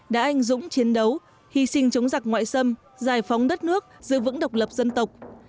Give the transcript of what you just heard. đã anh dũng chiến đấu hy sinh chống giặc ngoại xâm giải phóng đất nước giữ vững độc lập dân tộc